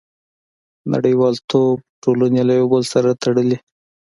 • نړیوالتوب ټولنې له یو بل سره تړلي.